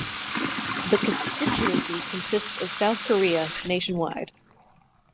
The constituency consists of South Korea (nationwide).